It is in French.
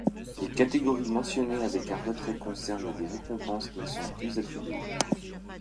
Les catégories mentionnées avec un retrait concernent des récompenses qui ne sont plus attribuées.